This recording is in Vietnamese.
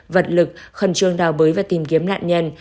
vật lực khẩn trương đào bới và tìm kiếm nạn nhân